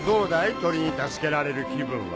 鳥に助けられる気分は。